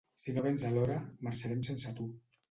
Si no vens a l'hora, marxarem sense tu.